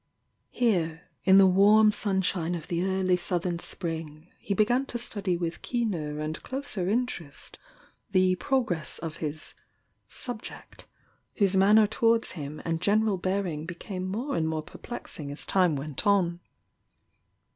Here, in the warm sunshine of the early Southern spring he began to study with keener and closer interest the progress of his "sub ject," whose manner towards him and general bear ing became more and more perplexing as time went on.